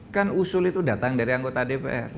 kan usul itu datang dari anggota dpr